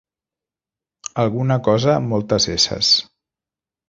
Alguna cosa amb moltes esses.